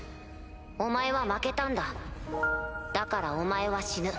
お前は負けたんだだからお前は死ぬ。